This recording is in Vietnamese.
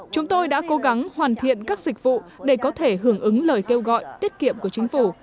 chúng tôi đã cố gắng hoàn thiện các dịch vụ để có thể hưởng ứng lời kêu gọi tiết kiệm của chính phủ